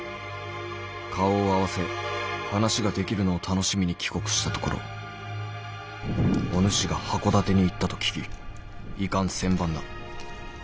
顔を合わせ話ができるのを楽しみに帰国したところお主が箱館に行ったと聞き遺憾千万だ。